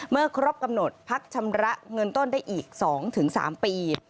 เมื่อครบกำหนดพักชำระเงินต้นได้อีก๒๓ปี